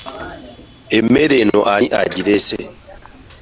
Emmere eno ani agireese?